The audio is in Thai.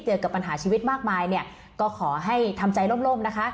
กับปัญหาชีวิตมากมายเนี่ยก็ขอให้ทำใจล่มนะคะ